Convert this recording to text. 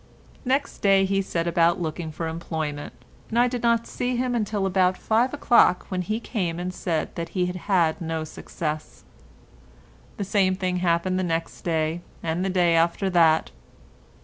Next day he set about looking for employment, and I did not see him till about five o'clock, when he came and said that he had had no success. The same thing happened the next day and the day after that.